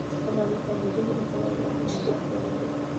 افغانستان د ژبو د پلوه ځانته ځانګړتیا لري.